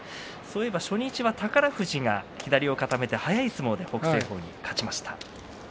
初日は宝富士が左を固めて速い相撲で北青鵬に勝ちました。